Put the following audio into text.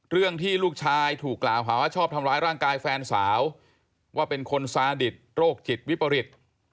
เรื่องที่ลูกชายถูกกล่าวหาว่าชอบทำร้ายร่างกายแฟนสาวว่าเป็นคนซาดิตโรคจิตวิปริต